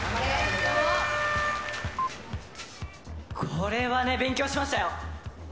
これはね勉強しましたよ。